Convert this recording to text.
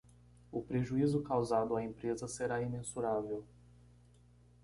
O prejuízo causado à empresa será imensurável